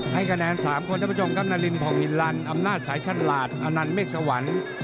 ให้แก่แนน๓คนที่มาชมกับนารินฮ์พ่องิลันอำนาจสายชันหลาดอนันท์เม็กสวรรค์